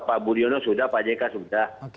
pak budiono sudah pak jk sudah